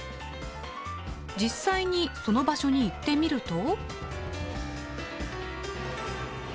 実際にその場所に行ってみると。